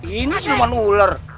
ini siluman ular